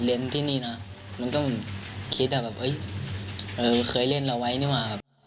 เป็น๑อายนานน้องพี่ฟังแปลนที่นี่นะ